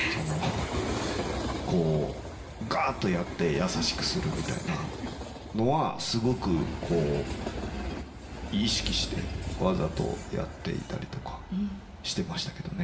こうガッとやって優しくするみたいなのはすごくこう意識してわざとやっていたりとかしてましたけどね。